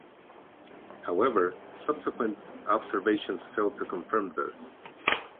However, subsequent observations failed to confirm this.